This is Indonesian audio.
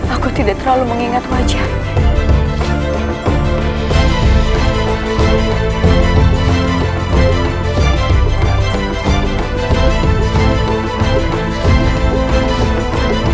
aku tidak terlalu mengingat wajahnya